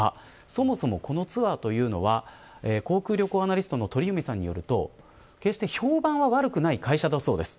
そもそも、このツアーというのは航空・旅行アナリストの鳥海さんによると決して評判は悪くない会社だそうです。